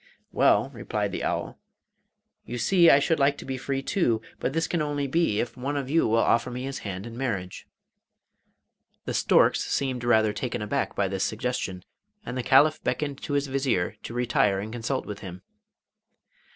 'Well,' replied the owl, 'you see I should like to be free too; but this can only be if one of you will offer me his hand in marriage.' The storks seemed rather taken aback by this suggestion, and the Caliph beckoned to his Vizier to retire and consult with him.